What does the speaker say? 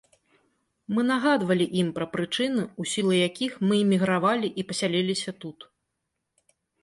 Мы нагадвалі ім пра прычыны, у сілу якіх мы эмігравалі і пасяліліся тут.